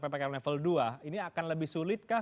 ppkm level dua ini akan lebih sulitkah